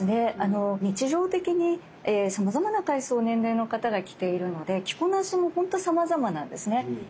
日常的にさまざまな階層年齢の方が着ているので着こなしもほんとさまざまなんですね。